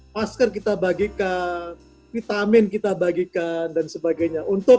masker kita bagikan vitamin kita bagikan dan sebagainya untuk